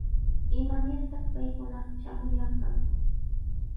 ¿Imanirtaq paykuna shamuyanqaku?